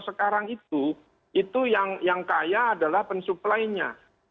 nah itu yang kaya adalah pen supply nya